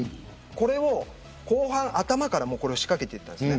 これを後半の頭から仕掛けていったんです。